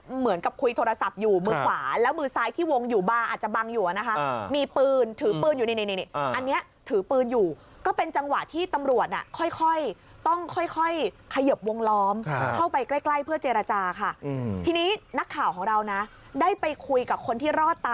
เหมือนกับคุยโทรศัพท์อยู่มือขวาแล้วมือซ้ายที่วงอยู่บ้าอาจจะบังอยู่นะครับมีปืนถือปืนอยู่นี่